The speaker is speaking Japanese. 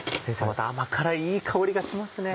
また甘辛いいい香りがしますね。